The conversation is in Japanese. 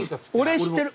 俺知ってる。